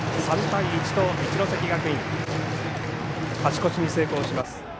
３対１と一関学院、勝ち越しに成功します。